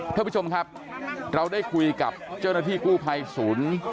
ท่านผู้ชมครับเราได้คุยกับเจ้าหน้าที่กู้ภัยศูนย์